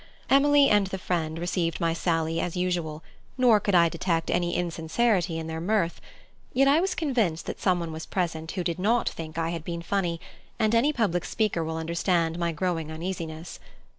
Emily and the friend received my sally as usual, nor could I detect any insincerity in their mirth. Yet I was convinced that some one was present who did not think I had been funny, and any public speaker will understand my growing uneasiness.